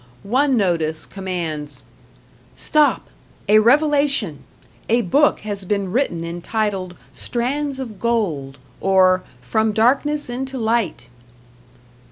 One notice commands: Stop! A Revelation! A Book has been written entitled "Strands of Gold" or "from Darkness into Light!"